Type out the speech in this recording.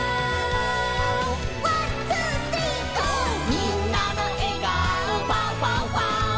「みんなのえがおファンファンファン！」